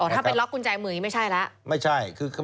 ถ้าไปล็อกกุญแจมือไม่ใช่แล้ว